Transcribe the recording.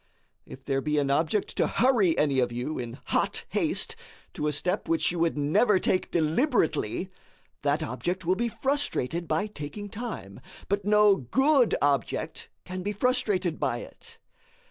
If there be an object to HURRY any of you in hot haste to a step which you would never take DELIBERATELY, that object will be frustrated by taking time; but no good object can be frustrated by it.